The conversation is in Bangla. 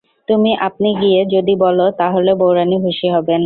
তুমি আপনি গিয়ে যদি বল তা হলে বউরানী খুশি হবেন।